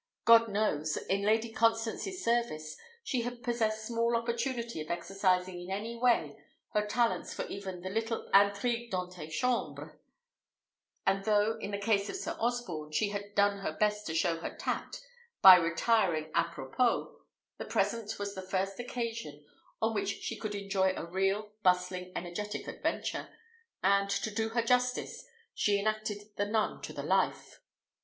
God knows! in Lady Constance's service she had possessed small opportunity of exercising in any way her talents for even the little intrigue d'ante chambre; and though, in the case of Sir Osborne, she had done her best to show her tact by retiring à propos, the present was the first occasion on which she could enjoy a real, bustling, energetic adventure; and, to do her justice, she enacted the nun to the life.